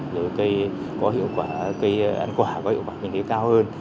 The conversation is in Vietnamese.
được cây có hiệu quả cây ăn quả có hiệu quả kinh tế cao hơn